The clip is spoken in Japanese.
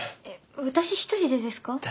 えっ私一人でですか？